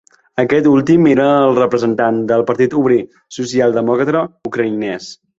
Aquest últim era el representant del Partit Obrer Socialdemòcrata Ucraïnès.